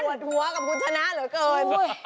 สวดหัวกับคุณชนะเหรอ